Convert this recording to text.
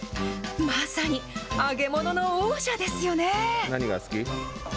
まさに揚げ物の王者ですよね。